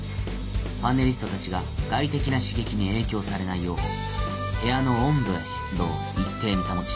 パネリストたちが外的な刺激に影響されないよう部屋の温度や湿度を一定に保ち